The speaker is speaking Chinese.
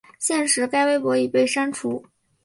现时该微博已被删除。